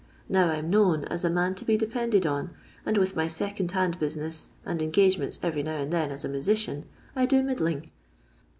Now I 'm known as a man to be depended on, and with my sec(md hand business, and en gsgeroents avery now aad then as a musician, I do ■uddiing."